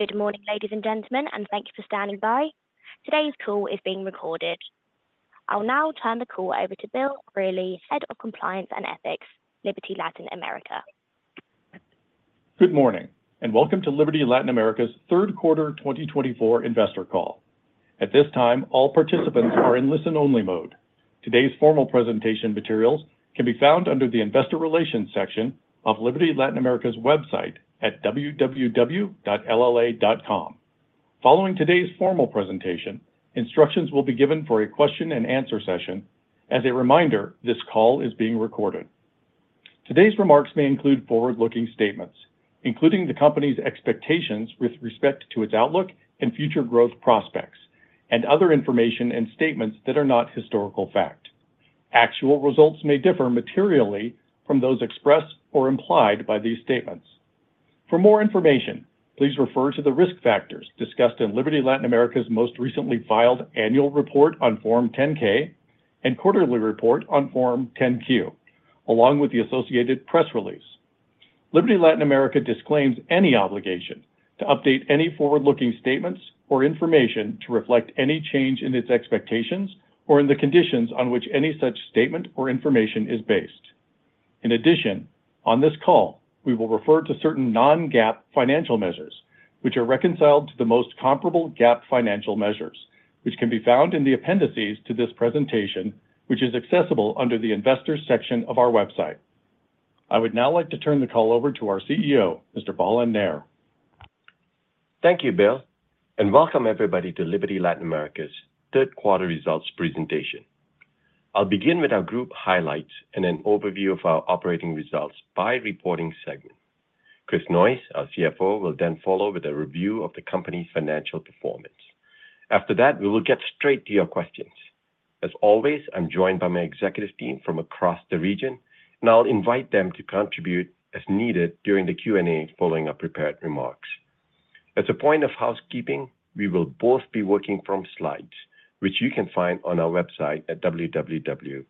Good morning, ladies and gentlemen, and thank you for standing by. Today's call is being recorded. I'll now turn the call over to Bill Reilly, Head of Compliance and Ethics, Liberty Latin America. Good morning, and welcome to Liberty Latin America's Third Quarter 2024 Investor Call. At this time, all participants are in listen-only mode. Today's formal presentation materials can be found under the Investor Relations section of Liberty Latin America's website at www.LLA.com. Following today's formal presentation, instructions will be given for a question-and-answer session. As a reminder, this call is being recorded. Today's remarks may include forward-looking statements, including the company's expectations with respect to its outlook and future growth prospects, and other information and statements that are not historical fact. Actual results may differ materially from those expressed or implied by these statements. For more information, please refer to the risk factors discussed in Liberty Latin America's most recently filed annual report on Form 10-K and quarterly report on Form 10-Q, along with the associated press release. Liberty Latin America disclaims any obligation to update any forward-looking statements or information to reflect any change in its expectations or in the conditions on which any such statement or information is based. In addition, on this call, we will refer to certain non-GAAP financial measures, which are reconciled to the most comparable GAAP financial measures, which can be found in the appendices to this presentation, which is accessible under the Investor section of our website. I would now like to turn the call over to our CEO, Mr. Balan Nair. Thank you, Bill, and welcome everybody to Liberty Latin America's third quarter results presentation. I'll begin with our group highlights and an overview of our operating results by reporting segment. Chris Noyes, our CFO, will then follow with a review of the company's financial performance. After that, we will get straight to your questions. As always, I'm joined by my executive team from across the region, and I'll invite them to contribute as needed during the Q&A following our prepared remarks. As a point of housekeeping, we will both be working from slides, which you can find on our website at www.LLA.com.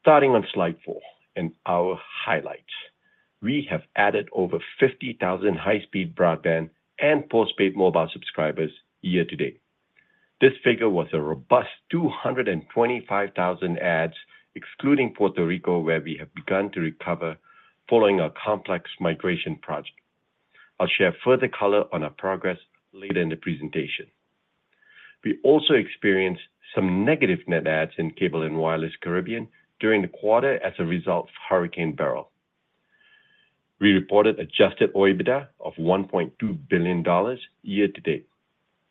Starting on slide four and our highlights, we have added over 50,000 high-speed broadband and postpaid mobile subscribers year to date. This figure was a robust 225,000 adds, excluding Puerto Rico, where we have begun to recover following our complex migration project. I'll share further color on our progress later in the presentation. We also experienced some negative net adds in Cable & Wireless Caribbean during the quarter as a result of Hurricane Beryl. We reported adjusted OIBDA of $1.2 billion year to date.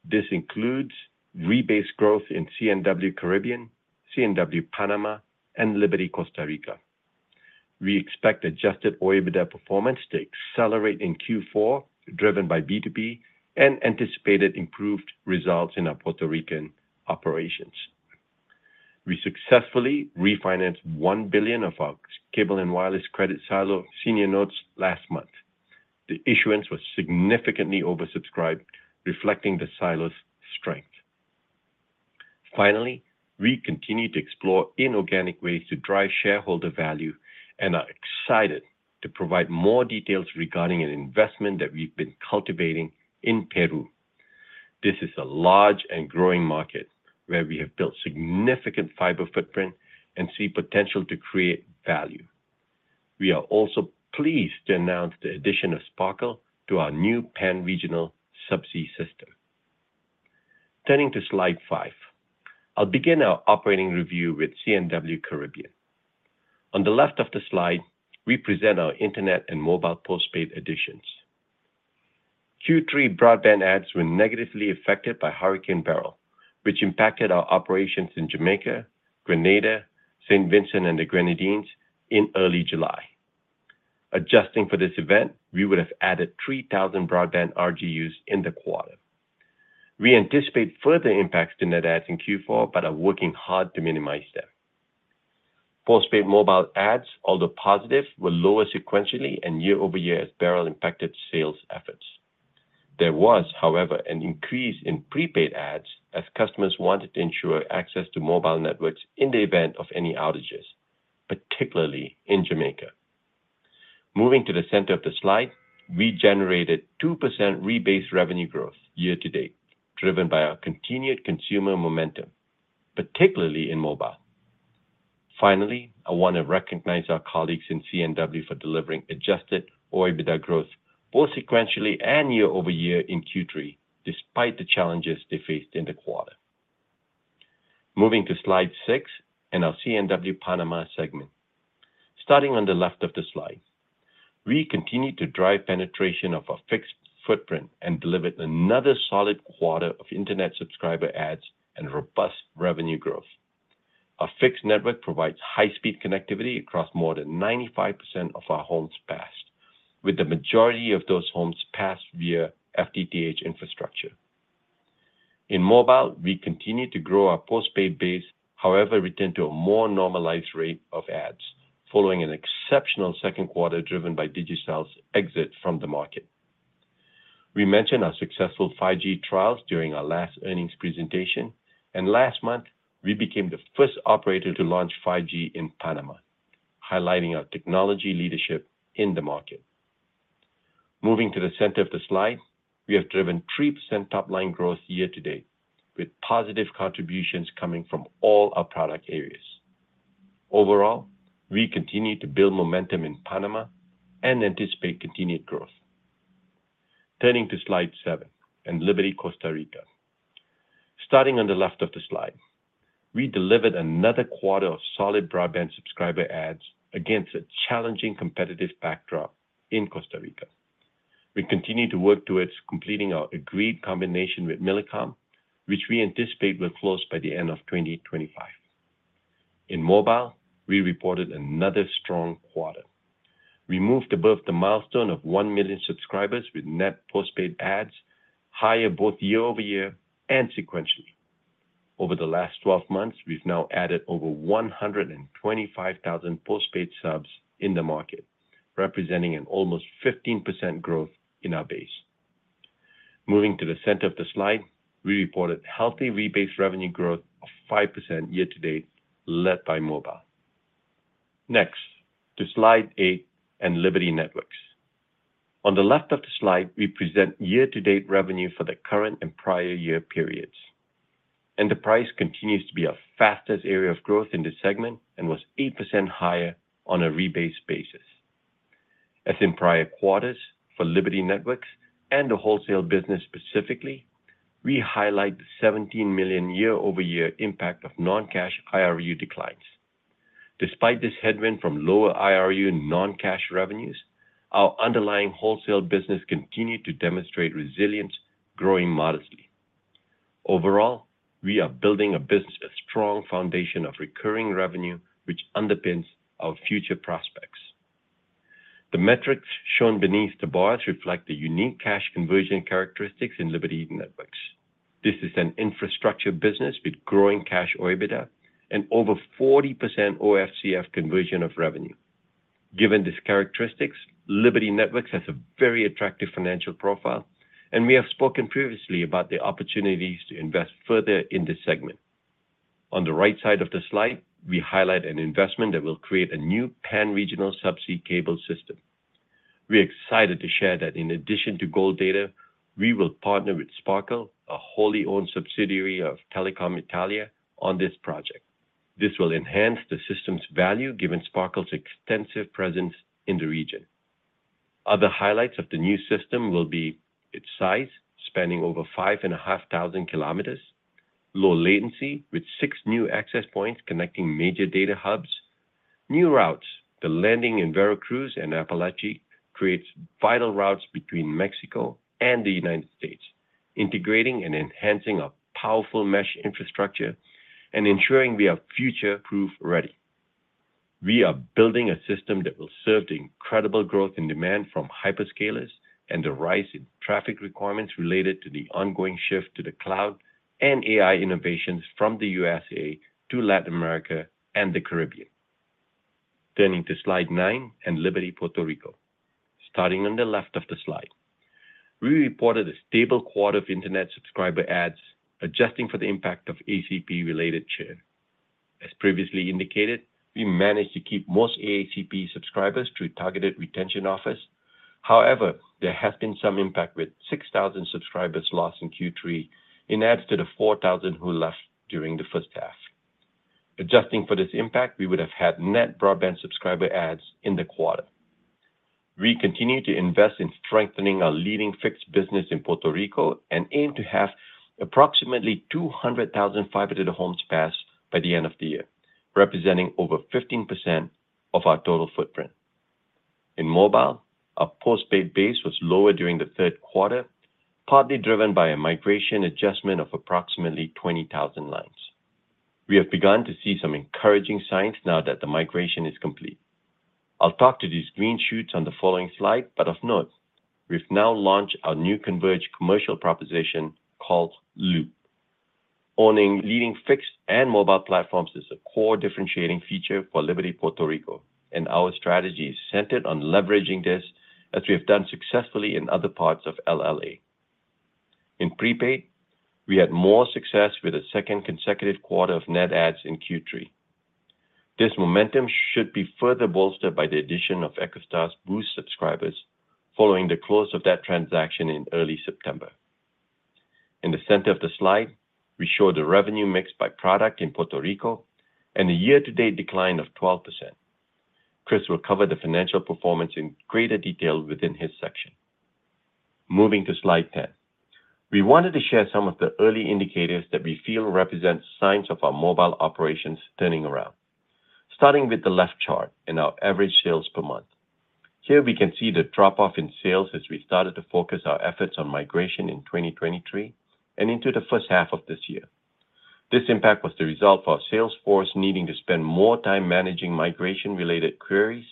This includes rebased growth in C&W Caribbean, C&W Panama, and Liberty Costa Rica. We expect adjusted OIBDA performance to accelerate in Q4, driven by B2B and anticipated improved results in our Puerto Rican operations. We successfully refinanced $1 billion of our Cable & Wireless credit silo senior notes last month. The issuance was significantly oversubscribed, reflecting the silo's strength. Finally, we continue to explore inorganic ways to drive shareholder value and are excited to provide more details regarding an investment that we've been cultivating in Peru. This is a large and growing market where we have built significant fiber footprint and see potential to create value. We are also pleased to announce the addition of Sparkle to our new pan-regional subsea system. Turning to slide five, I'll begin our operating review with C&W Caribbean. On the left of the slide, we present our internet and mobile postpaid additions. Q3 broadband adds were negatively affected by Hurricane Beryl, which impacted our operations in Jamaica, Grenada, St. Vincent and the Grenadines in early July. Adjusting for this event, we would have added 3,000 broadband RGUs in the quarter. We anticipate further impacts to net adds in Q4, but are working hard to minimize them. Postpaid mobile adds, although positive, were lower sequentially and year-over-year as Beryl impacted sales efforts. There was, however, an increase in prepaid adds as customers wanted to ensure access to mobile networks in the event of any outages, particularly in Jamaica. Moving to the center of the slide, we generated 2% rebased revenue growth year to date, driven by our continued consumer momentum, particularly in mobile. Finally, I want to recognize our colleagues in C&W for delivering adjusted OIBDA growth both sequentially and year-over-year in Q3, despite the challenges they faced in the quarter. Moving to slide six and our C&W Panama segment. Starting on the left of the slide, we continue to drive penetration of our fixed footprint and delivered another solid quarter of internet subscriber adds and robust revenue growth. Our fixed network provides high-speed connectivity across more than 95% of our homes passed, with the majority of those homes passed via FTTH infrastructure. In mobile, we continue to grow our postpaid base, however, returned to a more normalized rate of adds following an exceptional second quarter driven by Digicel's exit from the market. We mentioned our successful 5G trials during our last earnings presentation, and last month, we became the first operator to launch 5G in Panama, highlighting our technology leadership in the market. Moving to the center of the slide, we have driven 3% top-line growth year to date, with positive contributions coming from all our product areas. Overall, we continue to build momentum in Panama and anticipate continued growth. Turning to slide seven and Liberty Costa Rica. Starting on the left of the slide, we delivered another quarter of solid broadband subscriber adds against a challenging competitive backdrop in Costa Rica. We continue to work towards completing our agreed combination with Millicom, which we anticipate will close by the end of 2025. In mobile, we reported another strong quarter. We moved above the milestone of 1 million subscribers with net postpaid adds higher both year-over-year and sequentially. Over the last 12 months, we've now added over 125,000 postpaid subs in the market, representing an almost 15% growth in our base. Moving to the center of the slide, we reported healthy rebased revenue growth of 5% year to date, led by mobile. Next to slide eight and Liberty Networks. On the left of the slide, we present year-to-date revenue for the current and prior year periods. Enterprise continues to be our fastest area of growth in the segment and was 8% higher on a rebased basis. As in prior quarters for Liberty Networks and the wholesale business specifically, we highlight the $17 million year-over-year impact of non-cash IRU declines. Despite this headwind from lower IRU non-cash revenues, our underlying wholesale business continued to demonstrate resilience, growing modestly. Overall, we are building a business with a strong foundation of recurring revenue, which underpins our future prospects. The metrics shown beneath the bars reflect the unique cash conversion characteristics in Liberty Networks. This is an infrastructure business with growing cash OIBDA and over 40% OFCF conversion of revenue. Given these characteristics, Liberty Networks has a very attractive financial profile, and we have spoken previously about the opportunities to invest further in this segment. On the right side of the slide, we highlight an investment that will create a new pan-regional subsea cable system. We're excited to share that in addition to Gold Data, we will partner with Sparkle, a wholly-owned subsidiary of Telecom Italia, on this project. This will enhance the system's value given Sparkle's extensive presence in the region. Other highlights of the new system will be its size, spanning over 5,500 kilometers, low latency with six new access points connecting major data hubs, new routes. The landing in Veracruz and Apalachee creates vital routes between Mexico and the United States, integrating and enhancing our powerful mesh infrastructure and ensuring we are future-proof ready. We are building a system that will serve the incredible growth in demand from hyperscalers and the rise in traffic requirements related to the ongoing shift to the cloud and AI innovations from the USA to Latin America and the Caribbean. Turning to slide nine and Liberty Puerto Rico. Starting on the left of the slide, we reported a stable quarter of internet subscriber adds, adjusting for the impact of ACP-related churn. As previously indicated, we managed to keep most ACP subscribers through targeted retention offers. However, there has been some impact with 6,000 subscribers lost in Q3 in addition to the 4,000 who left during the first half. Adjusting for this impact, we would have had net broadband subscriber adds in the quarter. We continue to invest in strengthening our leading fixed business in Puerto Rico and aim to have approximately 200,000 fiber-to-the-homes passed by the end of the year, representing over 15% of our total footprint. In mobile, our postpaid base was lower during the third quarter, partly driven by a migration adjustment of approximately 20,000 lines. We have begun to see some encouraging signs now that the migration is complete. I'll talk to these green shoots on the following slide, but of note, we've now launched our new converged commercial proposition called Loop. Owning leading fixed and mobile platforms is a core differentiating feature for Liberty Puerto Rico, and our strategy is centered on leveraging this as we have done successfully in other parts of LLA. In prepaid, we had more success with a second consecutive quarter of net adds in Q3. This momentum should be further bolstered by the addition of EchoStar's Boost subscribers following the close of that transaction in early September. In the center of the slide, we show the revenue mix by product in Puerto Rico and the year-to-date decline of 12%. Chris will cover the financial performance in greater detail within his section. Moving to slide 10, we wanted to share some of the early indicators that we feel represent signs of our mobile operations turning around. Starting with the left chart and our average sales per month, here we can see the drop-off in sales as we started to focus our efforts on migration in 2023 and into the first half of this year. This impact was the result of our sales force needing to spend more time managing migration-related queries,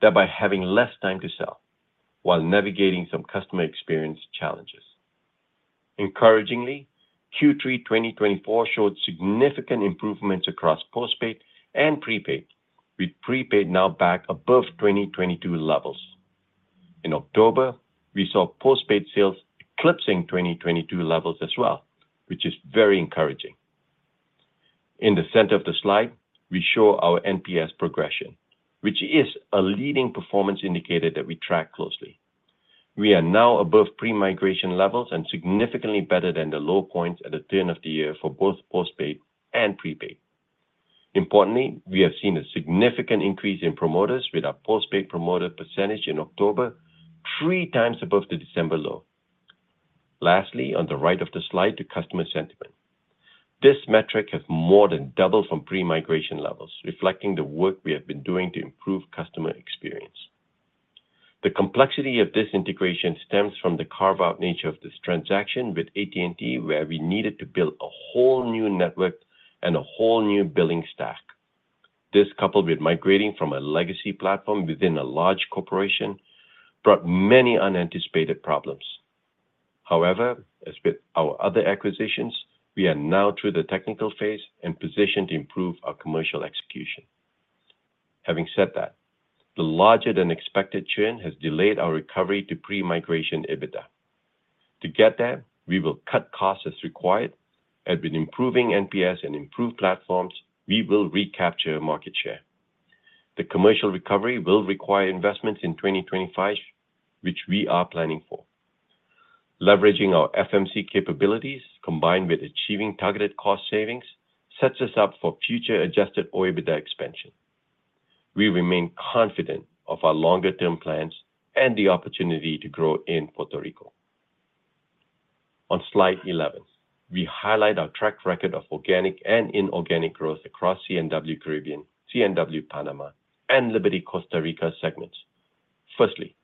thereby having less time to sell while navigating some customer experience challenges. Encouragingly, Q3 2024 showed significant improvements across postpaid and prepaid, with prepaid now back above 2022 levels. In October, we saw postpaid sales eclipsing 2022 levels as well, which is very encouraging. In the center of the slide, we show our NPS progression, which is a leading performance indicator that we track closely. We are now above pre-migration levels and significantly better than the low points at the turn of the year for both postpaid and prepaid. Importantly, we have seen a significant increase in promoters with our postpaid promoter percentage in October three times above the December low. Lastly, on the right of the slide, the customer sentiment. This metric has more than doubled from pre-migration levels, reflecting the work we have been doing to improve customer experience. The complexity of this integration stems from the carve-out nature of this transaction with AT&T, where we needed to build a whole new network and a whole new billing stack. This, coupled with migrating from a legacy platform within a large corporation, brought many unanticipated problems. However, as with our other acquisitions, we are now through the technical phase and positioned to improve our commercial execution. Having said that, the larger-than-expected churn has delayed our recovery to pre-migration EBITDA. To get there, we will cut costs as required, and with improving NPS and improved platforms, we will recapture market share. The commercial recovery will require investments in 2025, which we are planning for. Leveraging our FMC capabilities, combined with achieving targeted cost savings, sets us up for future adjusted OIBDA expansion. We remain confident of our longer-term plans and the opportunity to grow in Puerto Rico. On slide 11, we highlight our track record of organic and inorganic growth across C&W Caribbean, C&W Panama, and Liberty Costa Rica segments. Firstly,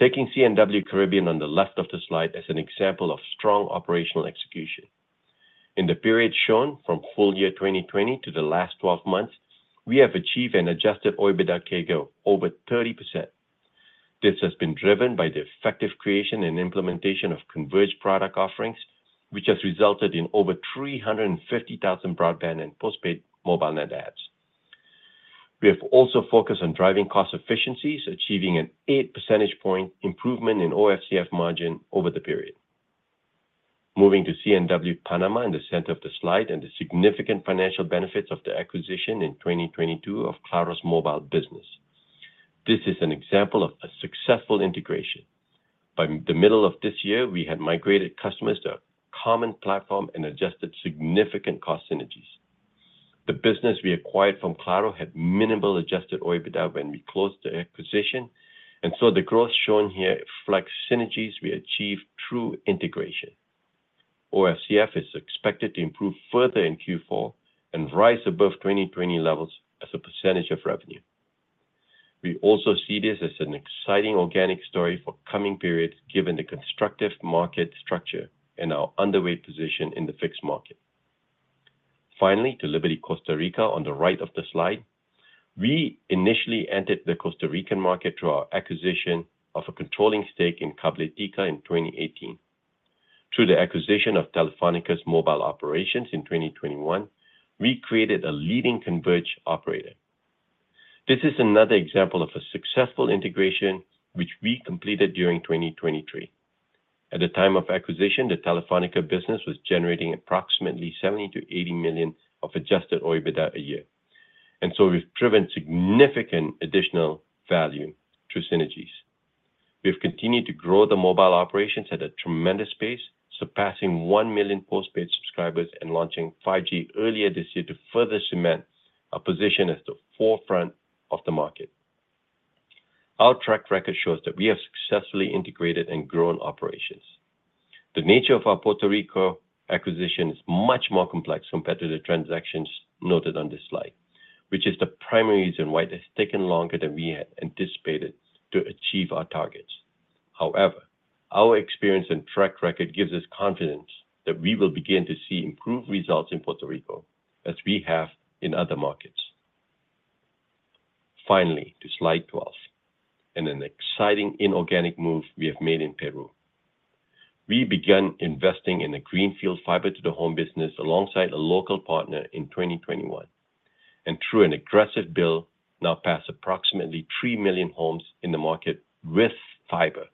taking C&W Caribbean on the left of the slide as an example of strong operational execution. In the period shown from full year 2020 to the last 12 months, we have achieved an adjusted OIBDA CAGR of over 30%. This has been driven by the effective creation and implementation of converged product offerings, which has resulted in over 350,000 broadband and postpaid mobile net adds. We have also focused on driving cost efficiencies, achieving an 8 percentage point improvement in OFCF margin over the period. Moving to C&W Panama in the center of the slide and the significant financial benefits of the acquisition in 2022 of Claro's Mobile Business. This is an example of a successful integration. By the middle of this year, we had migrated customers to a common platform and adjusted significant cost synergies. The business we acquired from Claro had minimal adjusted OIBDA when we closed the acquisition, and so the growth shown here reflects synergies we achieved through integration. OFCF is expected to improve further in Q4 and rise above 2020 levels as a percentage of revenue. We also see this as an exciting organic story for coming periods given the constructive market structure and our underweight position in the fixed market. Finally, to Liberty Costa Rica on the right of the slide, we initially entered the Costa Rican market through our acquisition of a controlling stake in Cabletica in 2018. Through the acquisition of Telefónica's mobile operations in 2021, we created a leading converged operator. This is another example of a successful integration, which we completed during 2023. At the time of acquisition, the Telefónica business was generating approximately $70 million-$80 million of adjusted OIBDA a year, and so we've driven significant additional value through synergies. We have continued to grow the mobile operations at a tremendous pace, surpassing one million postpaid subscribers and launching 5G earlier this year to further cement our position as the forefront of the market. Our track record shows that we have successfully integrated and grown operations. The nature of our Puerto Rico acquisition is much more complex compared to the transactions noted on this slide, which is the primary reason why it has taken longer than we had anticipated to achieve our targets. However, our experience and track record gives us confidence that we will begin to see improved results in Puerto Rico as we have in other markets. Finally, to slide 12, and an exciting inorganic move we have made in Peru. We began investing in a greenfield fiber-to-the-home business alongside a local partner in 2021, and through an aggressive build, now passes approximately 3 million homes in the market with fiber.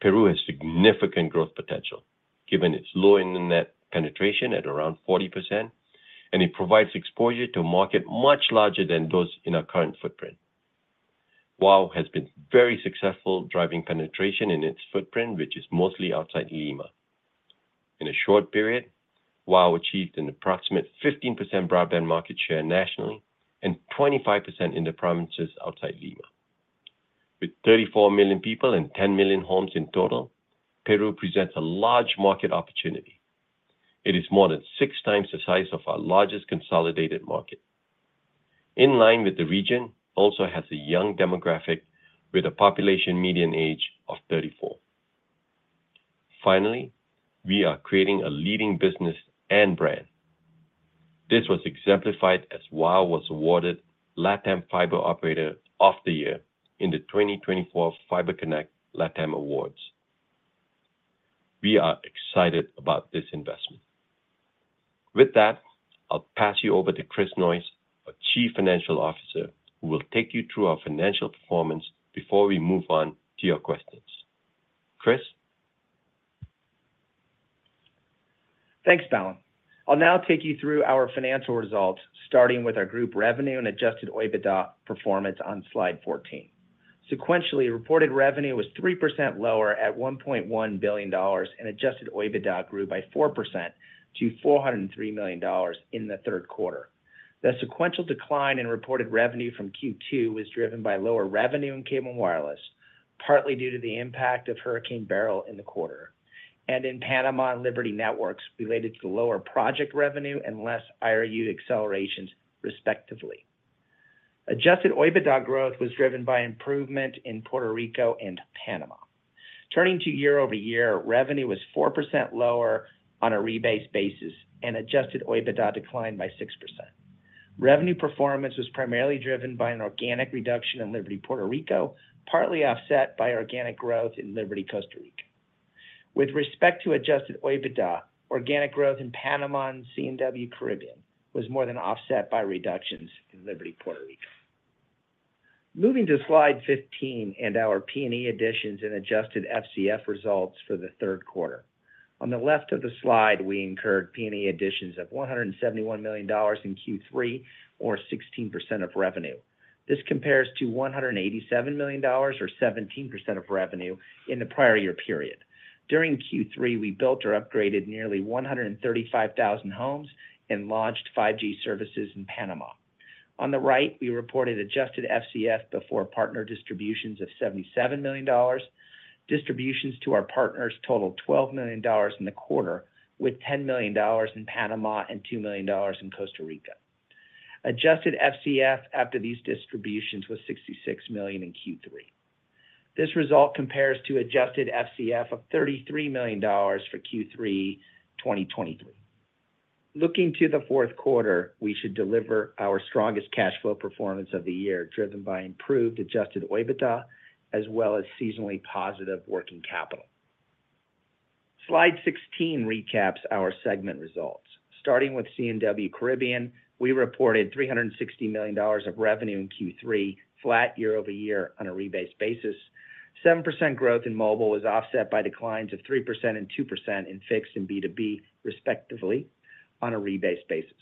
Peru has significant growth potential given its low internet penetration at around 40%, and it provides exposure to a market much larger than those in our current footprint. WOW has been very successful driving penetration in its footprint, which is mostly outside Lima. In a short period, WOW achieved an approximate 15% broadband market share nationally and 25% in the provinces outside Lima. With 34 million people and 10 million homes in total, Peru presents a large market opportunity. It is more than six times the size of our largest consolidated market. In line with the region, it also has a young demographic with a population median age of 34. Finally, we are creating a leading business and brand. This was exemplified as WOW was awarded LATAM Fiber Operator of the Year in the 2024 FiberConnect LATAM Awards. We are excited about this investment. With that, I'll pass you over to Chris Noyes, our Chief Financial Officer, who will take you through our financial performance before we move on to your questions. Chris. Thanks, Balan. I'll now take you through our financial results, starting with our group revenue and adjusted OIBDA performance on slide 14. Sequentially, reported revenue was 3% lower at $1.1 billion, and adjusted OIBDA grew by 4% to $403 million in the third quarter. The sequential decline in reported revenue from Q2 was driven by lower revenue in Cable & Wireless, partly due to the impact of Hurricane Beryl in the quarter, and in Panama and Liberty Networks related to lower project revenue and less IRU accelerations, respectively. Adjusted OIBDA growth was driven by improvement in Puerto Rico and Panama. Turning to year-over-year, revenue was 4% lower on a rebased basis, and adjusted OIBDA declined by 6%. Revenue performance was primarily driven by an organic reduction in Liberty Puerto Rico, partly offset by organic growth in Liberty Costa Rica. With respect to adjusted OIBDA, organic growth in Panama and C&W Caribbean was more than offset by reductions in Liberty Puerto Rico. Moving to slide 15 and our P&E additions and adjusted FCF results for the third quarter. On the left of the slide, we incurred P&E additions of $171 million in Q3, or 16% of revenue. This compares to $187 million, or 17% of revenue, in the prior year period. During Q3, we built or upgraded nearly 135,000 homes and launched 5G services in Panama. On the right, we reported adjusted FCF before partner distributions of $77 million. Distributions to our partners totaled $12 million in the quarter, with $10 million in Panama and $2 million in Costa Rica. Adjusted FCF after these distributions was $66 million in Q3. This result compares to adjusted FCF of $33 million for Q3 2023. Looking to the fourth quarter, we should deliver our strongest cash flow performance of the year, driven by improved adjusted OIBDA, as well as seasonally positive working capital. Slide 16 recaps our segment results. Starting with C&W Caribbean, we reported $360 million of revenue in Q3, flat year-over-year on a rebased basis. 7% growth in mobile was offset by declines of 3% and 2% in fixed and B2B, respectively, on a rebased basis.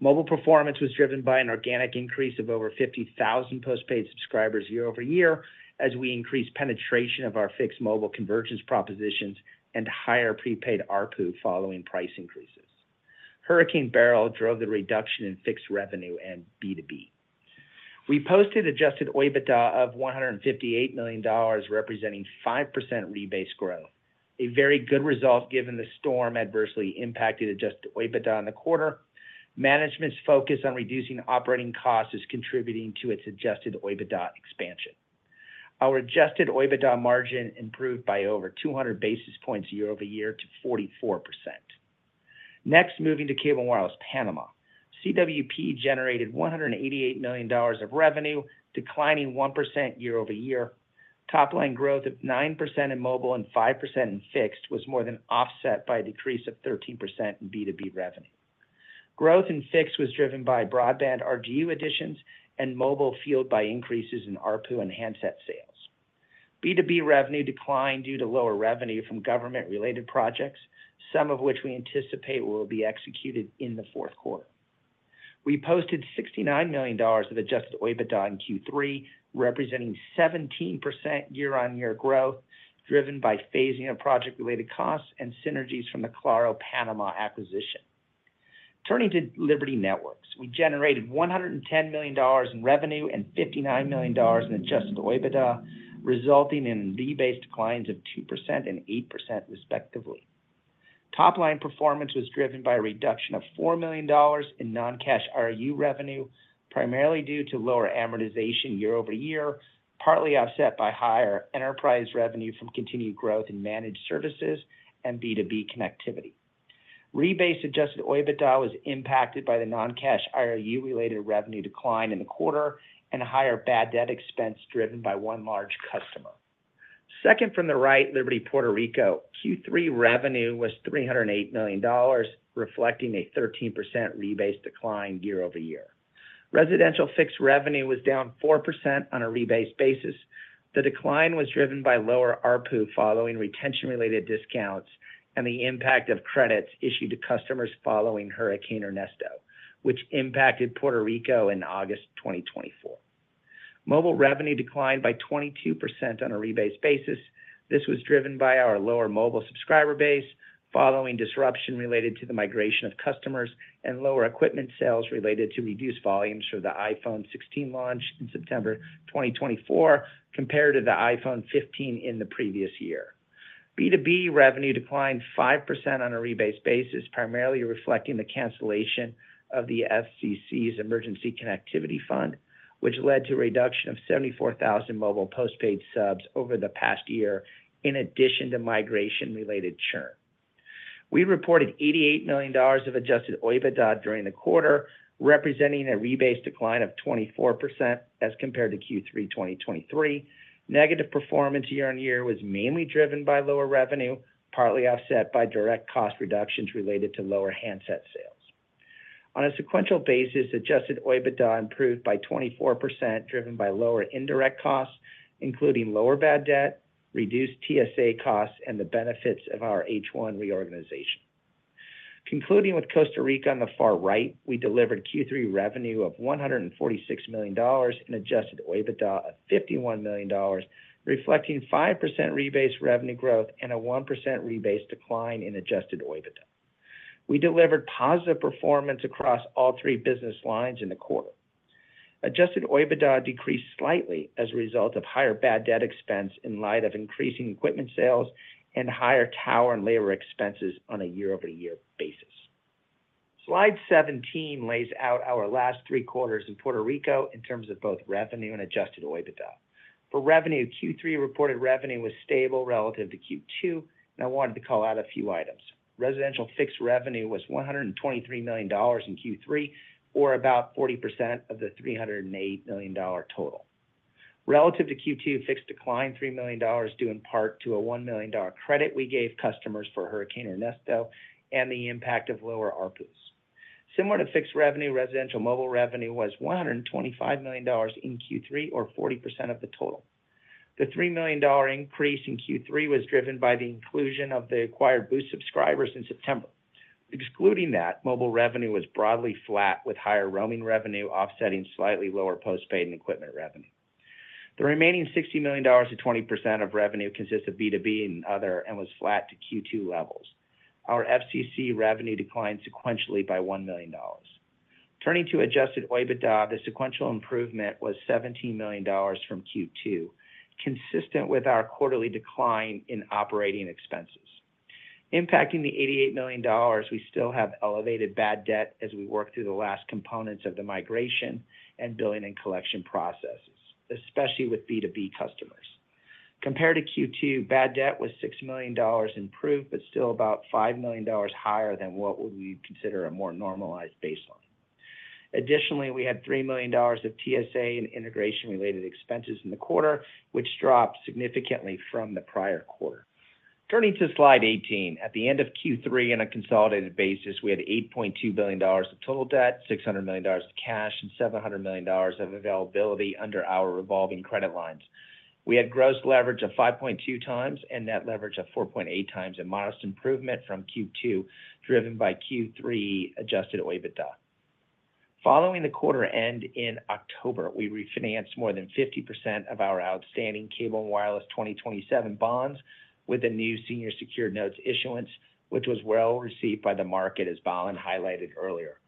Mobile performance was driven by an organic increase of over 50,000 postpaid subscribers year-over-year as we increased penetration of our fixed mobile convergence propositions and higher prepaid ARPU following price increases. Hurricane Beryl drove the reduction in fixed revenue and B2B. We posted adjusted OIBDA of $158 million, representing 5% rebased growth, a very good result given the storm adversely impacted adjusted OIBDA in the quarter. Management's focus on reducing operating costs is contributing to its adjusted OIBDA expansion. Our adjusted OIBDA margin improved by over 200 basis points year-over-year to 44%. Next, moving to Cable & Wireless Panama. CWP generated $188 million of revenue, declining 1% year-over-year. Top-line growth of 9% in mobile and 5% in fixed was more than offset by a decrease of 13% in B2B revenue. Growth in fixed was driven by broadband RGU additions and mobile fueled by increases in ARPU and handset sales. B2B revenue declined due to lower revenue from government-related projects, some of which we anticipate will be executed in the fourth quarter. We posted $69 million of adjusted OIBDA in Q3, representing 17% year-on-year growth, driven by phasing of project-related costs and synergies from the Claro Panama acquisition. Turning to Liberty Networks, we generated $110 million in revenue and $59 million in adjusted OIBDA, resulting in OIBDA declines of 2% and 8%, respectively. Top-line performance was driven by a reduction of $4 million in non-cash IRU revenue, primarily due to lower amortization year-over-year, partly offset by higher enterprise revenue from continued growth in managed services and B2B connectivity. Rebased adjusted OIBDA was impacted by the non-cash IRU-related revenue decline in the quarter and higher bad debt expense driven by one large customer. Second from the right, Liberty Puerto Rico, Q3 revenue was $308 million, reflecting a 13% rebased decline year-over-year. Residential fixed revenue was down 4% on a rebased basis. The decline was driven by lower ARPU following retention-related discounts and the impact of credits issued to customers following Hurricane Ernesto, which impacted Puerto Rico in August 2024. Mobile revenue declined by 22% on a rebased basis. This was driven by our lower mobile subscriber base following disruption related to the migration of customers and lower equipment sales related to reduced volumes for the iPhone 16 launch in September 2024 compared to the iPhone 15 in the previous year. B2B revenue declined 5% on a rebased basis, primarily reflecting the cancellation of the FCC's Emergency Connectivity Fund, which led to a reduction of 74,000 mobile postpaid subs over the past year, in addition to migration-related churn. We reported $88 million of Adjusted OIBDA during the quarter, representing a rebased decline of 24% as compared to Q3 2023. Negative performance year-on-year was mainly driven by lower revenue, partly offset by direct cost reductions related to lower handset sales. On a sequential basis, Adjusted OIBDA improved by 24%, driven by lower indirect costs, including lower bad debt, reduced TSA costs, and the benefits of our H1 reorganization. Concluding with Costa Rica on the far right, we delivered Q3 revenue of $146 million and Adjusted OIBDA of $51 million, reflecting 5% rebased revenue growth and a 1% rebased decline in Adjusted OIBDA. We delivered positive performance across all three business lines in the quarter. Adjusted OIBDA decreased slightly as a result of higher bad debt expense in light of increasing equipment sales and higher tower and labor expenses on a year-over-year basis. Slide 17 lays out our last three quarters in Puerto Rico in terms of both revenue and adjusted OIBDA. For revenue, Q3 reported revenue was stable relative to Q2, and I wanted to call out a few items. Residential fixed revenue was $123 million in Q3, or about 40% of the $308 million total. Relative to Q2, fixed decline $3 million due in part to a $1 million credit we gave customers for Hurricane Ernesto and the impact of lower ARPUs. Similar to fixed revenue, residential mobile revenue was $125 million in Q3, or 40% of the total. The $3 million increase in Q3 was driven by the inclusion of the acquired Boost subscribers in September. Excluding that, mobile revenue was broadly flat, with higher roaming revenue offsetting slightly lower postpaid and equipment revenue. The remaining $60 million, or 20% of revenue, consists of B2B and other and was flat to Q2 levels. Our FCC revenue declined sequentially by $1 million. Turning to adjusted OIBDA, the sequential improvement was $17 million from Q2, consistent with our quarterly decline in operating expenses. Impacting the $88 million, we still have elevated bad debt as we work through the last components of the migration and billing and collection processes, especially with B2B customers. Compared to Q2, bad debt was $6 million improved, but still about $5 million higher than what we would consider a more normalized baseline. Additionally, we had $3 million of TSA and integration-related expenses in the quarter, which dropped significantly from the prior quarter. Turning to slide 18, at the end of Q3 on a consolidated basis, we had $8.2 billion of total debt, $600 million of cash, and $700 million of availability under our revolving credit lines. We had gross leverage of 5.2 times and net leverage of 4.8 times, and modest improvement from Q2, driven by Q3 adjusted OIBDA. Following the quarter end in October, we refinanced more than 50% of our outstanding Cable & Wireless 2027 bonds with a new senior secured notes issuance, which was well received by the market, as Balan highlighted earlier.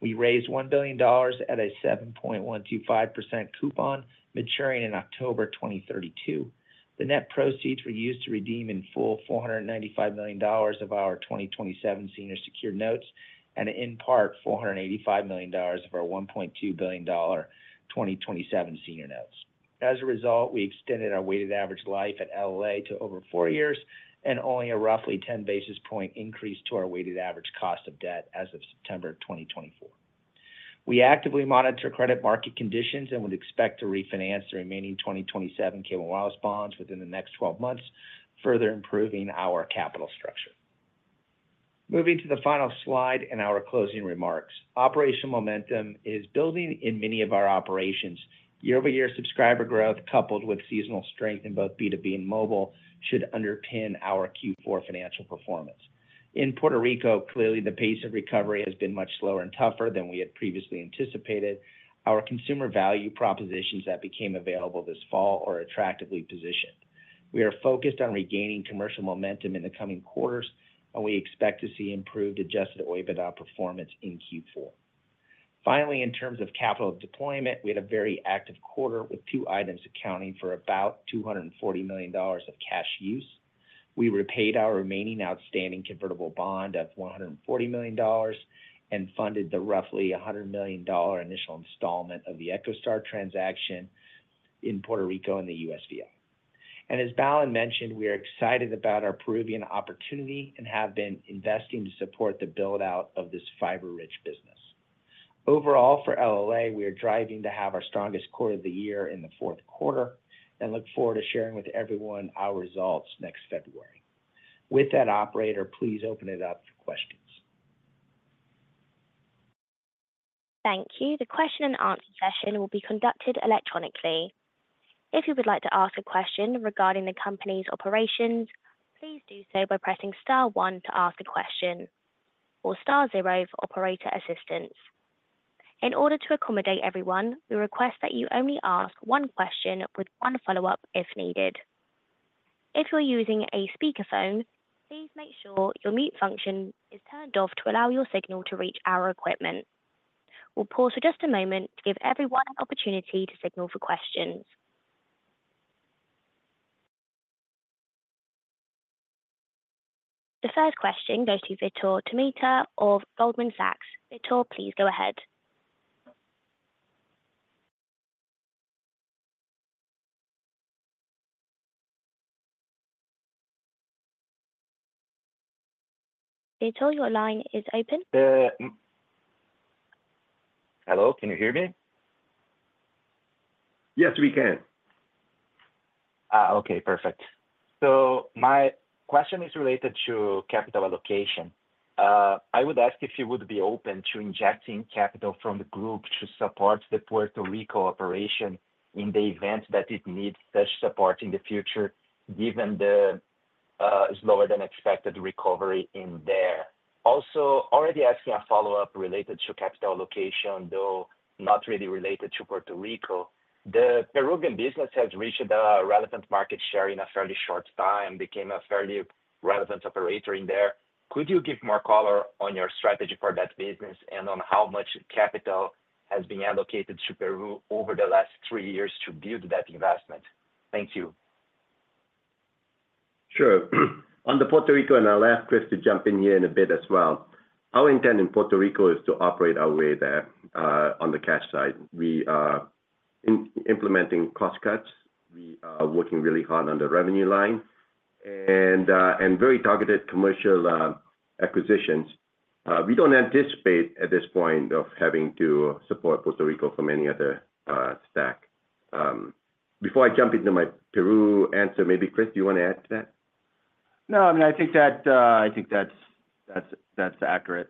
We raised $1 billion at a 7.125% coupon, maturing in October 2032. The net proceeds were used to redeem in full $495 million of our 2027 senior secured notes and in part $485 million of our $1.2 billion 2027 senior notes. As a result, we extended our weighted average life at LLA to over four years and only a roughly 10 basis points increase to our weighted average cost of debt as of September 2024. We actively monitor credit market conditions and would expect to refinance the remaining 2027 Cable & Wireless bonds within the next 12 months, further improving our capital structure. Moving to the final slide and our closing remarks. Operational momentum is building in many of our operations. Year-over-year subscriber growth, coupled with seasonal strength in both B2B and mobile, should underpin our Q4 financial performance. In Puerto Rico, clearly, the pace of recovery has been much slower and tougher than we had previously anticipated. Our consumer value propositions that became available this fall are attractively positioned. We are focused on regaining commercial momentum in the coming quarters, and we expect to see improved adjusted OIBDA performance in Q4. Finally, in terms of capital deployment, we had a very active quarter with two items accounting for about $240 million of cash use. We repaid our remaining outstanding convertible bond of $140 million and funded the roughly $100 million initial installment of the EchoStar transaction in Puerto Rico and the USVI. And as Balan mentioned, we are excited about our Peruvian opportunity and have been investing to support the build-out of this fiber-rich business. Overall, for LLA, we are driving to have our strongest quarter of the year in the fourth quarter and look forward to sharing with everyone our results next February. With that, operator, please open it up for questions. Thank you. The question and answer session will be conducted electronically. If you would like to ask a question regarding the company's operations, please do so by pressing Star 1 to ask a question or Star 0 for operator assistance. In order to accommodate everyone, we request that you only ask one question with one follow-up if needed. If you're using a speakerphone, please make sure your mute function is turned off to allow your signal to reach our equipment. We'll pause for just a moment to give everyone an opportunity to signal for questions. The first question goes to Vitor Tomita of Goldman Sachs. Vitor, please go ahead. Vitor, your line is open. Hello, can you hear me? Yes, we can. Okay, perfect. So my question is related to capital allocation. I would ask if you would be open to injecting capital from the group to support the Puerto Rico operation in the event that it needs such support in the future, given the slower-than-expected recovery in there. Also, already asking a follow-up related to capital allocation, though not really related to Puerto Rico. The Peruvian business has reached a relevant market share in a fairly short time and became a fairly relevant operator in there. Could you give more color on your strategy for that business and on how much capital has been allocated to Peru over the last three years to build that investment? Thank you. Sure. On the Puerto Rico end, I'll ask Chris to jump in here in a bit as well. Our intent in Puerto Rico is to operate our way there on the cash side. We are implementing cost cuts. We are working really hard on the revenue line and very targeted commercial acquisitions. We don't anticipate at this point of having to support Puerto Rico from any other stack. Before I jump into my Peru answer, maybe Chris, do you want to add to that? No, I mean, I think that's accurate.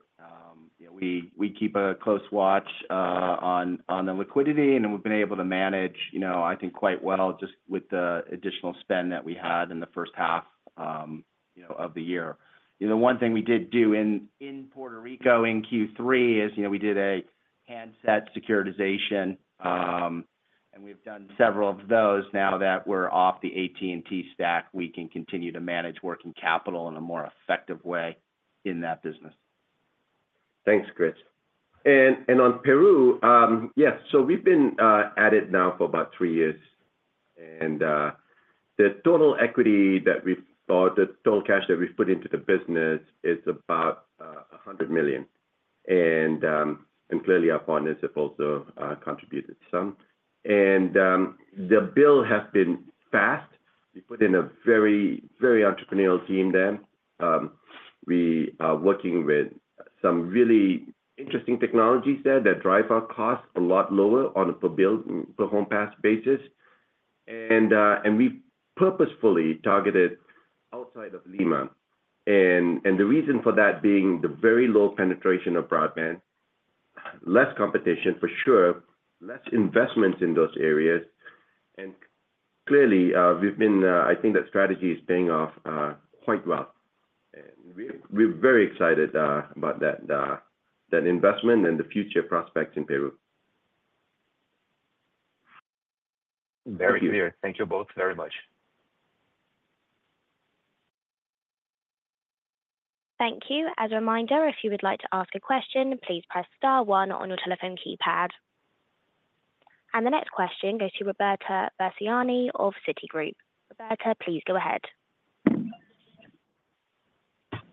We keep a close watch on the liquidity, and we've been able to manage, I think, quite well just with the additional spend that we had in the first half of the year. The one thing we did do in Puerto Rico in Q3 is we did a handset securitization, and we've done several of those now that we're off the AT&T stack. We can continue to manage working capital in a more effective way in that business. Thanks, Chris. On Peru, yes, so we've been at it now for about three years, and the total equity that we've bought, the total cash that we've put into the business, is about $100 million. Clearly, our partners have also contributed some. The build has been fast. We put in a very entrepreneurial team there. We are working with some really interesting technologies there that drive our costs a lot lower on a per-home pass basis. We purposefully targeted outside of Lima. The reason for that being the very low penetration of broadband, less competition for sure, less investments in those areas. Clearly, I think that strategy is paying off quite well. We're very excited about that investment and the future prospects in Peru. Very clear. Thank you both very much. Thank you. As a reminder, if you would like to ask a question, please press Star 1 on your telephone keypad. The next question goes to Roberta Versiani of Citigroup. Roberta, please go ahead.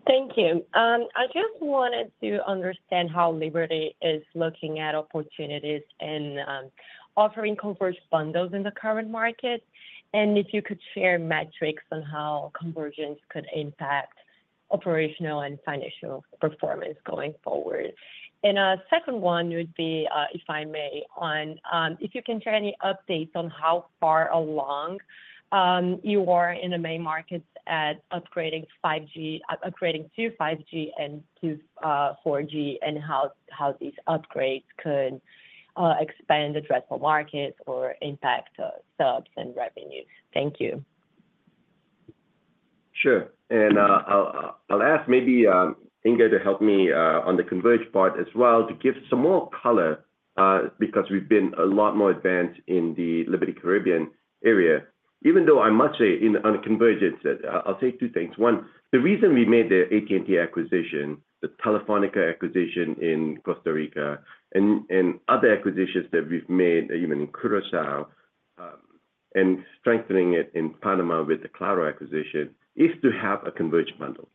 Thank you. I just wanted to understand how Liberty is looking at opportunities in offering converged bundles in the current market, and if you could share metrics on how convergence could impact operational and financial performance going forward. A second one would be, if I may, on if you can share any updates on how far along you are in the main markets at upgrading to 5G and to 4G and how these upgrades could expand addressable markets or impact subs and revenue. Thank you. Sure. I'll ask maybe Inge to help me on the converged part as well to give some more color because we've been a lot more advanced in the Liberty Caribbean area. Even though I must say on convergence, I'll say two things. One, the reason we made the AT&T acquisition, the Telefónica acquisition in Costa Rica, and other acquisitions that we've made in Curaçao and strengthening it in Panama with the Claro acquisition is to have a converged bundle.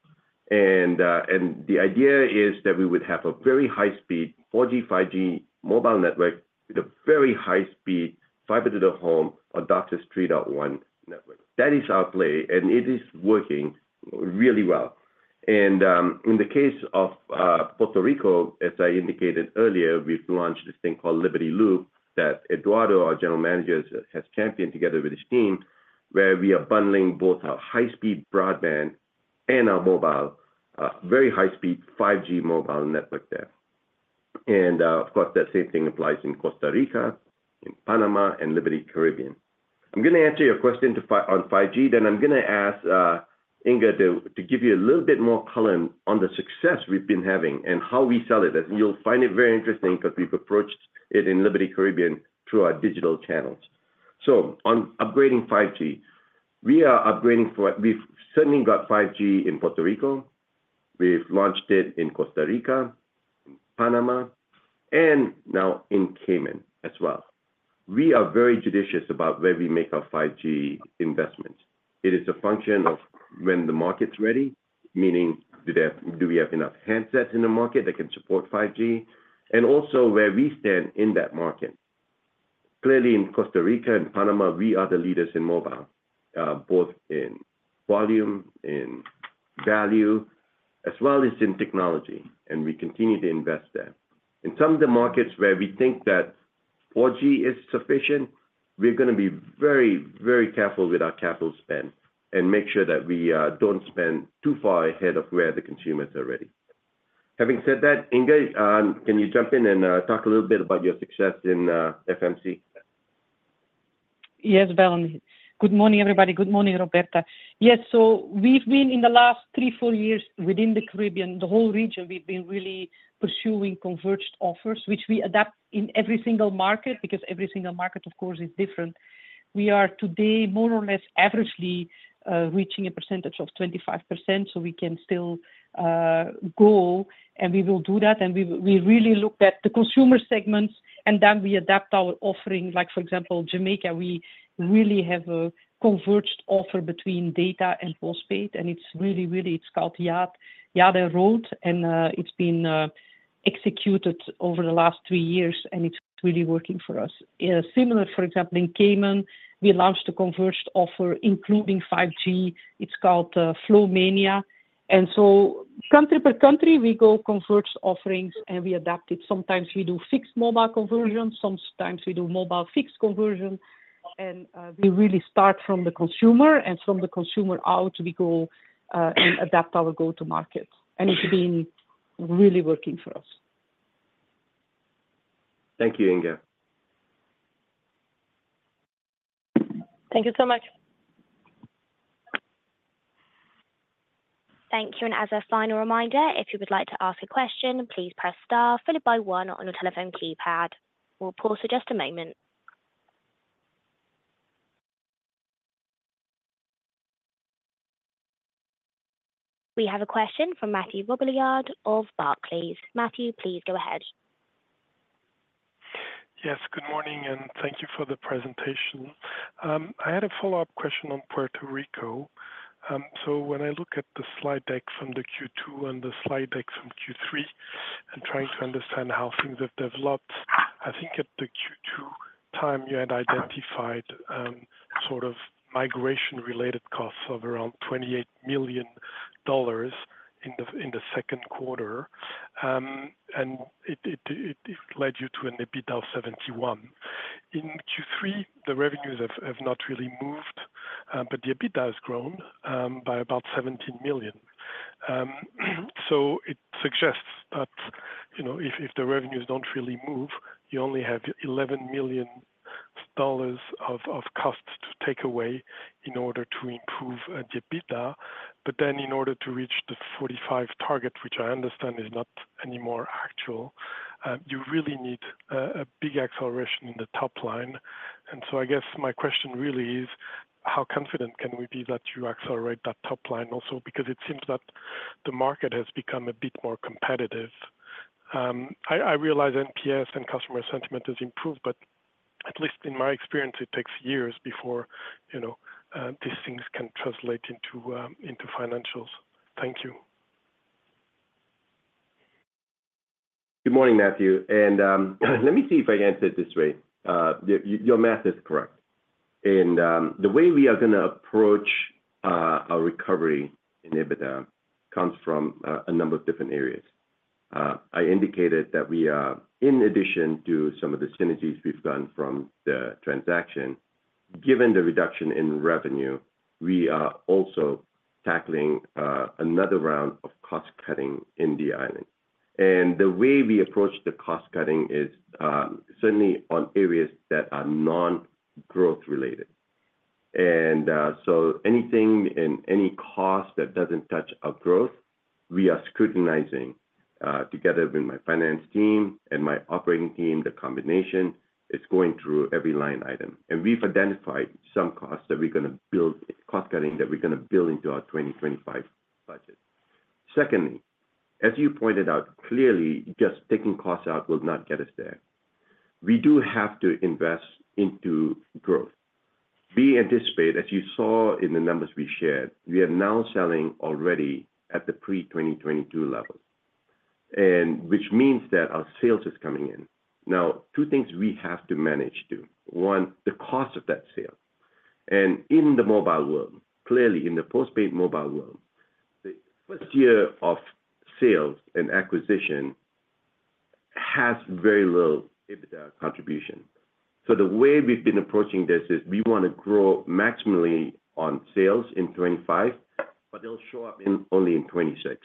The idea is that we would have a very high-speed 4G/5G mobile network with a very high-speed fiber to the home DOCSIS 3.1 network. That is our play, and it is working really well. In the case of Puerto Rico, as I indicated earlier, we've launched this thing called Liberty Loop that Eduardo, our general manager, has championed together with his team, where we are bundling both our high-speed broadband and our mobile, very high-speed 5G mobile network there. Of course, that same thing applies in Costa Rica, in Panama, and Liberty Caribbean. I'm going to answer your question on 5G, then I'm going to ask Inge to give you a little bit more color on the success we've been having and how we sell it. You'll find it very interesting because we've approached it in Liberty Caribbean through our digital channels. On upgrading 5G, we are upgrading, for we've certainly got 5G in Puerto Rico. We've launched it in Costa Rica, in Panama, and now in Cayman as well. We are very judicious about where we make our 5G investments. It is a function of when the market's ready, meaning do we have enough handsets in the market that can support 5G, and also where we stand in that market. Clearly, in Costa Rica and Panama, we are the leaders in mobile, both in volume, in value, as well as in technology, and we continue to invest there. In some of the markets where we think that 4G is sufficient, we're going to be very, very careful with our capital spend and make sure that we don't spend too far ahead of where the consumers are ready. Having said that, Inge, can you jump in and talk a little bit about your success in FMC? Yes, Balan. Good morning, everybody. Good morning, Roberta. Yes, so we've been in the last three, four years within the Caribbean, the whole region, we've been really pursuing converged offers, which we adapt in every single market because every single market, of course, is different. We are today more or less averagely reaching a percentage of 25%, so we can still go, and we will do that. And we really looked at the consumer segments, and then we adapt our offering. Like, for example, Jamaica, we really have a converged offer between data and postpaid, and it's really, really it's called Ya'ad & Road, and it's been executed over the last three years, and it's really working for us. Similar, for example, in Cayman, we launched a converged offer including 5G. It's called Flowmania. And so country by country, we go converged offerings, and we adapt it. Sometimes we do fixed mobile conversions, sometimes we do mobile fixed conversion, and we really start from the consumer, and from the consumer out, we go and adapt our go-to-market. And it's been really working for us. Thank you, Inge. Thank you so much. Thank you. And as a final reminder, if you would like to ask a question, please press Star followed by 1 on your telephone keypad. We'll pause for just a moment. We have a question from Mathieu Robilliard of Barclays. Matthew, please go ahead. Yes, good morning, and thank you for the presentation. I had a follow-up question on Puerto Rico. When I look at the slide deck from the Q2 and the slide deck from Q3 and trying to understand how things have developed, I think at the Q2 time, you had identified sort of migration-related costs of around $28 million in the second quarter, and it led you to an EBITDA of $71 million. In Q3, the revenues have not really moved, but the EBITDA has grown by about $17 million. It suggests that if the revenues don't really move, you only have $11 million of costs to take away in order to improve the EBITDA. Then in order to reach the $45 target, which I understand is not any more actual, you really need a big acceleration in the top line. I guess my question really is, how confident can we be that you accelerate that top line also? Because it seems that the market has become a bit more competitive. I realize NPS and customer sentiment has improved, but at least in my experience, it takes years before these things can translate into financials. Thank you. Good morning, Matthew. And let me see if I can answer it this way. Your math is correct. And the way we are going to approach our recovery in EBITDA comes from a number of different areas. I indicated that we, in addition to some of the synergies we've gotten from the transaction, given the reduction in revenue, we are also tackling another round of cost cutting in the island. And the way we approach the cost cutting is certainly on areas that are non-growth-related. And so anything and any cost that doesn't touch our growth, we are scrutinizing together with my finance team and my operating team. The combination is going through every line item, and we've identified some costs that we're going to build cost cutting that we're going to build into our 2025 budget. Secondly, as you pointed out, clearly, just taking costs out will not get us there. We do have to invest into growth. We anticipate, as you saw in the numbers we shared, we are now selling already at the pre-2022 level, which means that our sales is coming in. Now, two things we have to manage too. One, the cost of that sale, and in the mobile world, clearly, in the postpaid mobile world, the first year of sales and acquisition has very little EBITDA contribution. So the way we've been approaching this is we want to grow maximally on sales in 2025, but they'll show up only in 2026.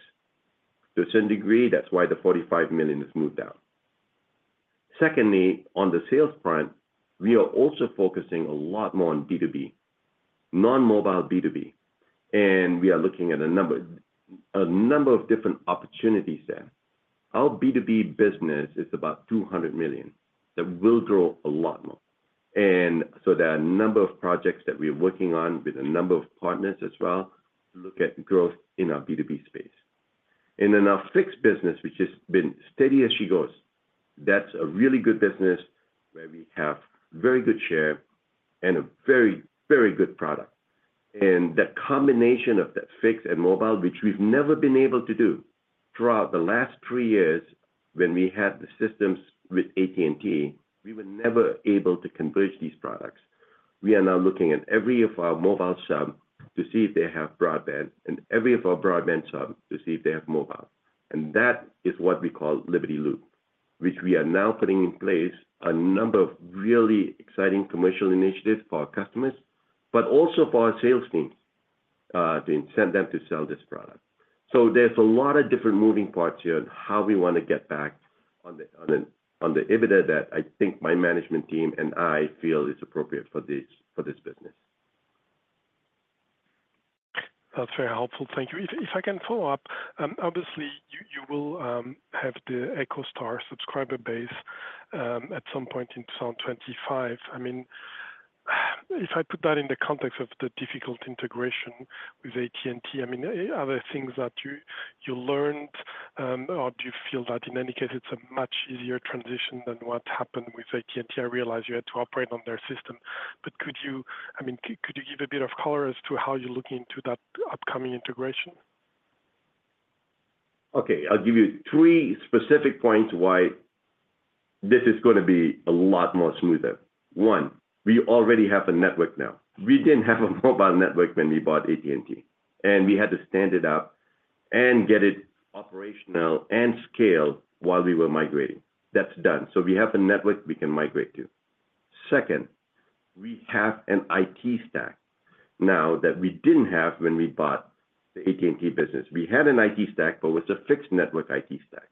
To a certain degree, that's why the $45 million has moved out. Secondly, on the sales front, we are also focusing a lot more on B2B, non-mobile B2B, and we are looking at a number of different opportunities there. Our B2B business is about $200 million that will grow a lot more, and so there are a number of projects that we are working on with a number of partners as well to look at growth in our B2B space, and then our fixed business, which has been steady as she goes, that's a really good business where we have a very good share and a very, very good product, and that combination of that fixed and mobile, which we've never been able to do throughout the last three years when we had the systems with AT&T, we were never able to converge these products. We are now looking at every mobile sub to see if they have broadband and every broadband sub to see if they have mobile. And that is what we call Liberty Loop, which we are now putting in place a number of really exciting commercial initiatives for our customers, but also for our sales teams to incent them to sell this product. So there's a lot of different moving parts here on how we want to get back on the EBITDA that I think my management team and I feel is appropriate for this business. That's very helpful. Thank you. If I can follow up, obviously, you will have the EchoStar subscriber base at some point in 2025. I mean, if I put that in the context of the difficult integration with AT&T, I mean, are there things that you learned or do you feel that in any case it's a much easier transition than what happened with AT&T? I realize you had to operate on their system, but could you give a bit of color as to how you're looking into that upcoming integration? Okay. I'll give you three specific points why this is going to be a lot more smoother. One, we already have a network now. We didn't have a mobile network when we bought AT&T, and we had to stand it up and get it operational and scale while we were migrating. That's done. So we have a network we can migrate to. Second, we have an IT stack now that we didn't have when we bought the AT&T business. We had an IT stack, but it was a fixed network IT stack.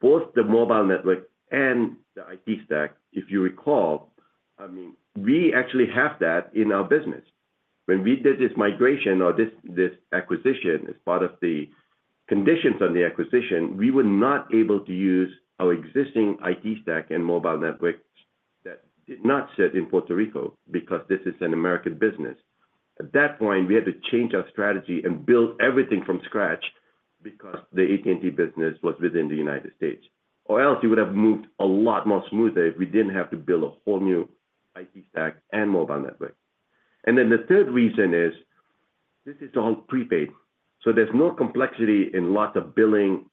Both the mobile network and the IT stack, if you recall, I mean, we actually have that in our business. When we did this migration or this acquisition as part of the conditions on the acquisition, we were not able to use our existing IT stack and mobile network that did not sit in Puerto Rico because this is an American business. At that point, we had to change our strategy and build everything from scratch because the AT&T business was within the United States. Or else we would have moved a lot more smoother if we didn't have to build a whole new IT stack and mobile network. And then the third reason is this is all prepaid. So there's no complexity in lots of billing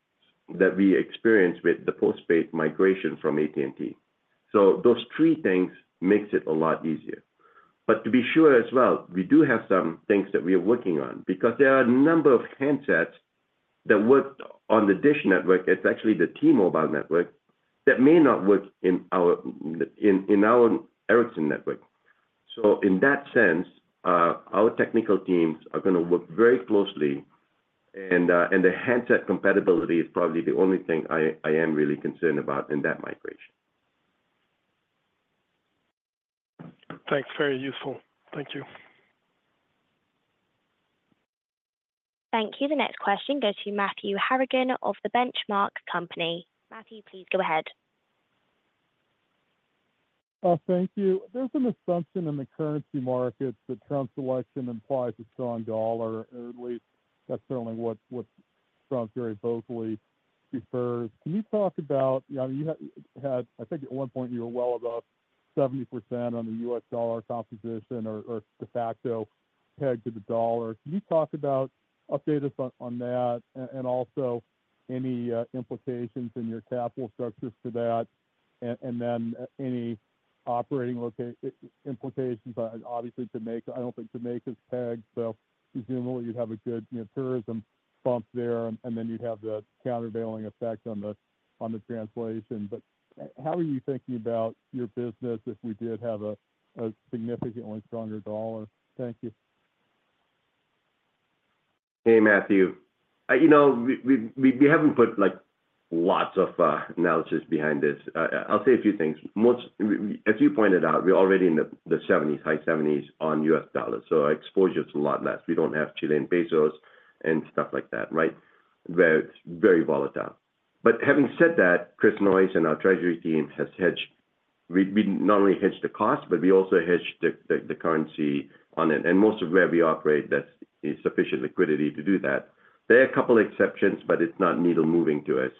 that we experience with the postpaid migration from AT&T. So those three things make it a lot easier. But to be sure as well, we do have some things that we are working on because there are a number of handsets that work on the DISH Network. It's actually the T-Mobile network that may not work in our Ericsson network. So in that sense, our technical teams are going to work very closely, and the handset compatibility is probably the only thing I am really concerned about in that migration. Thanks. Very useful. Thank you. Thank you. The next question goes to Matthew Harrigan of the Benchmark Company. Matthew, please go ahead. Thank you. There's an assumption in the currency markets that Trump's election implies a strong dollar, or at least that's certainly what Trump very vocally prefers. Can you talk about, I mean, you had, I think at one point you were well above 70% on the US dollar composition or de facto pegged to the dollar. Can you talk about, update us on that, and also any implications in your capital structures for that, and then any operating implications obviously to Jamaica's peg? So presumably you'd have a good tourism bump there, and then you'd have the countervailing effect on the translation. But how are you thinking about your business if we did have a significantly stronger dollar? Thank you. Hey, Matthew. We haven't put lots of analysis behind this. I'll say a few things. As you pointed out, we're already in the 70s, high 70s on US dollars. So our exposure is a lot less. We don't have Chilean pesos and stuff like that, right? Where it's very volatile. But having said that, Chris Noyes and our treasury team has hedged. We not only hedged the cost, but we also hedged the currency on it. And most of where we operate, that's sufficient liquidity to do that. There are a couple of exceptions, but it's not needle-moving to us.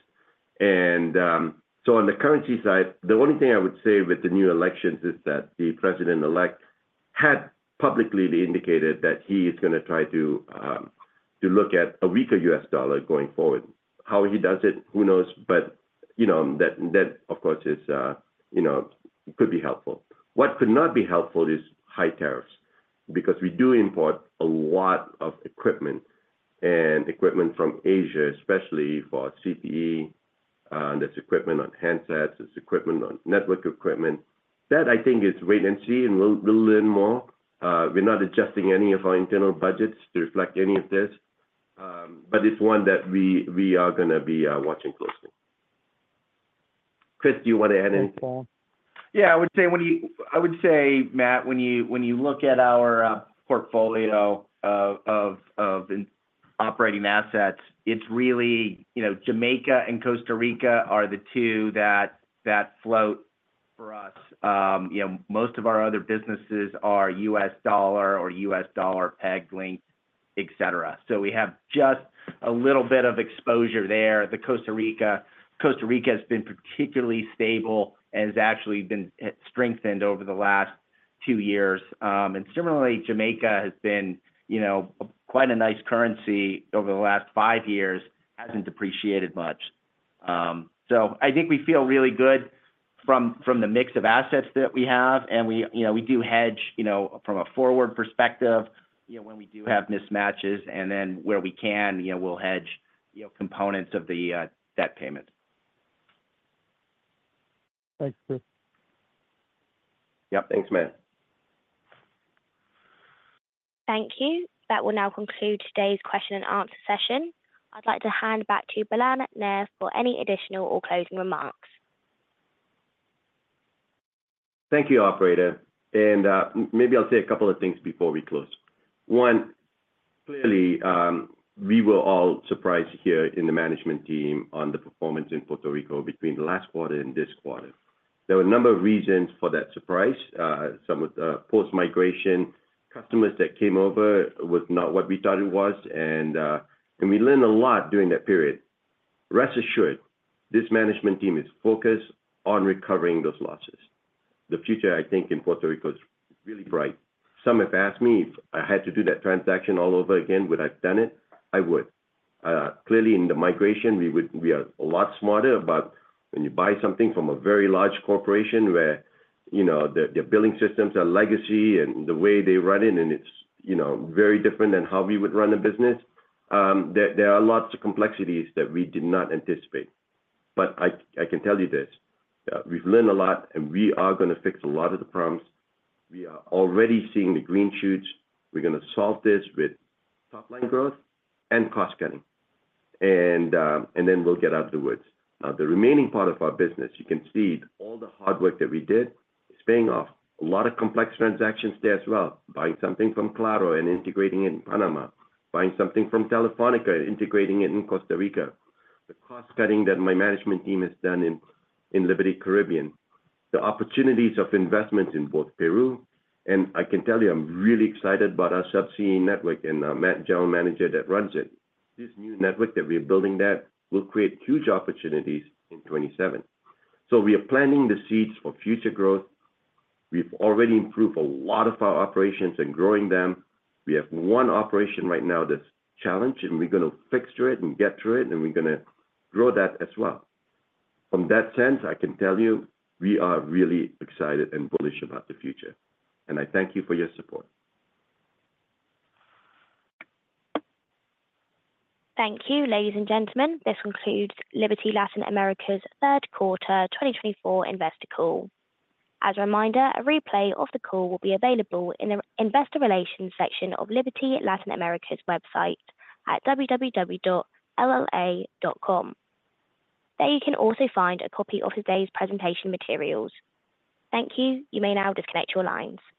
And so on the currency side, the only thing I would say with the new elections is that the president-elect had publicly indicated that he is going to try to look at a weaker U.S. dollar going forward. How he does it, who knows? But that, of course, could be helpful. What could not be helpful is high tariffs because we do import a lot of equipment and equipment from Asia, especially for CPE. There's equipment on handsets. There's equipment on network equipment. That I think is wait and see, and we'll learn more. We're not adjusting any of our internal budgets to reflect any of this, but it's one that we are going to be watching closely. Chris, do you want to add anything? Yeah. I would say, Matt, when you look at our portfolio of operating assets, it's really Jamaica and Costa Rica are the two that float for us. Most of our other businesses are US dollar or US dollar pegged linked, etc. So we have just a little bit of exposure there. Costa Rica has been particularly stable and has actually been strengthened over the last two years. And similarly, Jamaica has been quite a nice currency over the last five years, hasn't depreciated much. So I think we feel really good from the mix of assets that we have, and we do hedge from a forward perspective when we do have mismatches. And then where we can, we'll hedge components of the debt payment. Thanks, Chris. Yep. Thanks, Matt. Thank you. That will now conclude today's question and answer session. I'd like to hand back to Balan Nair for any additional or closing remarks. Thank you, operator. And maybe I'll say a couple of things before we close. One, clearly, we were all surprised here in the management team on the performance in Puerto Rico between the last quarter and this quarter. There were a number of reasons for that surprise. Some of the post-migration customers that came over was not what we thought it was, and we learned a lot during that period. Rest assured, this management team is focused on recovering those losses. The future, I think, in Puerto Rico is really bright. Some have asked me if I had to do that transaction all over again, would I have done it? I would. Clearly, in the migration, we are a lot smarter. But when you buy something from a very large corporation where their billing systems are legacy and the way they run it, and it's very different than how we would run a business, there are lots of complexities that we did not anticipate. But I can tell you this. We've learned a lot, and we are going to fix a lot of the problems. We are already seeing the green shoots. We're going to solve this with top-line growth and cost cutting, and then we'll get out of the woods. Now, the remaining part of our business, you can see all the hard work that we did is paying off a lot of complex transactions there as well. Buying something from Claro and integrating it in Panama. Buying something from Telefónica and integrating it in Costa Rica. The cost cutting that my management team has done in Liberty Caribbean. The opportunities of investments in both Peru. I can tell you, I'm really excited about our subsea network and Matt, general manager that runs it. This new network that we're building there will create huge opportunities in 2027. We are planting the seeds for future growth. We've already improved a lot of our operations and growing them. We have one operation right now that's challenged, and we're going to fix it and get through it, and we're going to grow that as well. From that sense, I can tell you, we are really excited and bullish about the future. I thank you for your support. Thank you, ladies and gentlemen. This concludes Liberty Latin America's third quarter 2024 investor call. As a reminder, a replay of the call will be available in the investor relations section of Liberty Latin America's website at www.lla.com. There you can also find a copy of today's presentation materials. Thank you. You may now disconnect your lines.